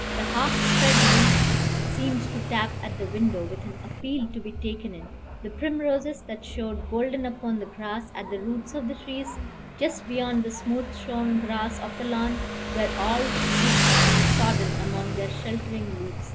The half spread leaves seemed to tap at the window, with an appeal to be taken in; the primroses, that showed golden upon the grass at the roots of the trees, just beyond the smooth shorn grass of the lawn, were all drooped and sodden among their sheltering leaves.